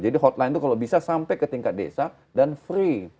jadi hotline itu kalau bisa sampai ke tingkat desa dan free